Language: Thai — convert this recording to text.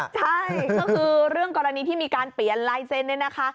ใช่ก็คือเรื่องกรณีที่มีการเปลี่ยนลายเซ็นต์เนี่ยนะคะ